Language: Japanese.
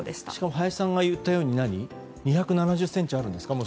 林さんが言ったように２７０ｃｍあるんですか？